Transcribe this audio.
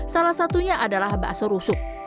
salah satunya adalah bakso rusuk